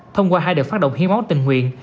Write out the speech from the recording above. thông qua hai đợt phát động hiến máu tình nguyện